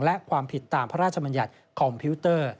และความผิดตามพระราชมัญญัติคอมพิวเตอร์